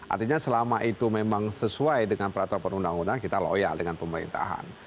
artinya selama itu memang sesuai dengan peraturan perundang undang kita loyal dengan pemerintahan